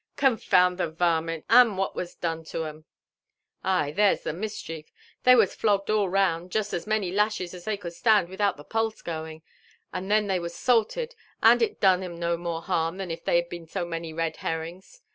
"Confound the varmint! — and what was done to 'em?" "Ay, there's the mischief. They was flogged all round, just as many laslies as they could stand without the pulse going; and then they was salted ; and it done 'em no more harm than if they had been so many red herrings.